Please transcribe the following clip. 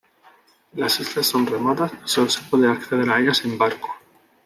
Las islas son remotas y sólo se puede acceder a ellas en barco.